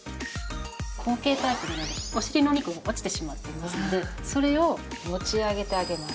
後傾タイプではお尻のお肉が落ちてしまっておりますのでそれを持ち上げてあげます。